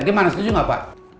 gimana setuju gak pak